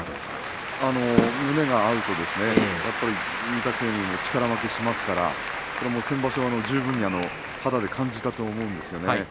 胸が合うと御嶽海力負けしますから先場所は十分に肌で感じたと思うんですよね。